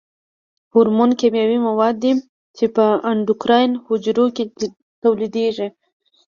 هورمون کیمیاوي مواد دي چې په اندوکراین حجرو کې تولیدیږي.